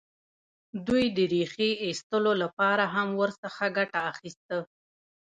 دوی د ریښې ایستلو لپاره هم ورڅخه ګټه اخیسته.